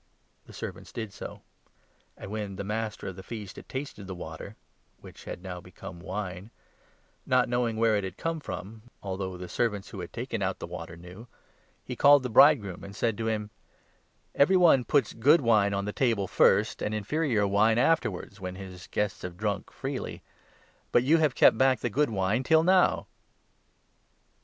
The servants did so. And, when the Master of the Feast had 9 tasted the water which had now become wine, not knowing where it had come from — although the servants who had taken out the water knew — he called the bridegroom and said to him : 10 " Every one puts good wine on the table first, and inferior wine afterwards, when his guests have drunk freely ; but you have kept back the good wine till now